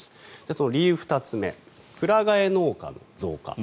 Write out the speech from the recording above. その理由２つ目くら替え農家の増加。